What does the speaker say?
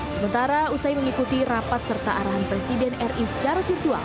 sementara usai mengikuti rapat serta arahan presiden ri secara virtual